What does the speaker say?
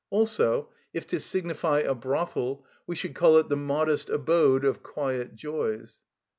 Also if to signify a brothel we should call it the "modest abode of quiet joys."